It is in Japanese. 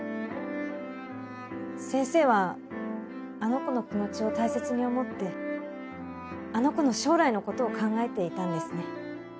先生はあの子の気持ちを大切に思ってあの子の将来のことを考えていたんですね。